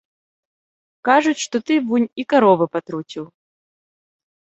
Кажуць, што ты вунь і каровы патруціў.